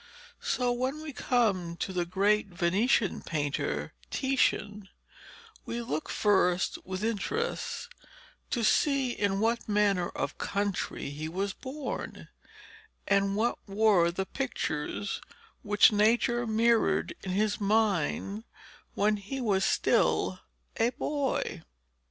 So when we come to the great Venetian painter Titian we look first with interest to see in what manner of a country he was born, and what were the pictures which Nature mirrored in his mind when he was still a boy.'